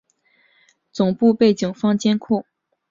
总部被警方监控。